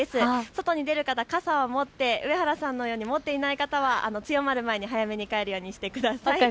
外に出る方、傘を持って上原さんのように持っていない方は強まる前に早めに帰るようにしてください。